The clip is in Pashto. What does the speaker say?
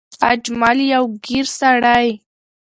اجمل يو ګېر سړی